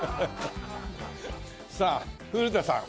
さあ古田さん